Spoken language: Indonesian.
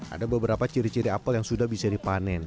ada beberapa ciri ciri apel yang sudah bisa dipanen